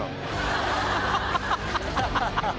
ハハハハハ！